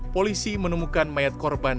polisi menemukan mayat korban